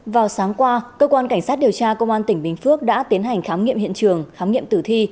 vào sáng qua cơ quan cảnh sát điều tra công an tỉnh bình phước đã tiến hành khám nghiệm hiện trường khám nghiệm tử thi